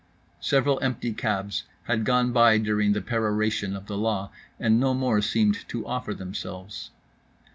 Several empty cabs had gone by during the peroration of the law, and no more seemed to offer themselves.